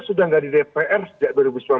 sudah tidak di dpr sejak dua ribu sembilan belas